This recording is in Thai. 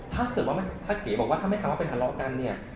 ถ้าเก๋บอกว่าถ้าไม่ทำว่าเป็นทะเลาะกันเนี่ย